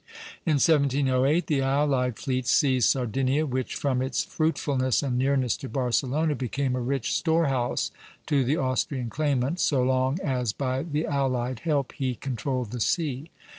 In 1708 the allied fleets seized Sardinia, which from its fruitfulness and nearness to Barcelona became a rich storehouse to the Austrian claimant, so long as by the allied help he controlled the sea.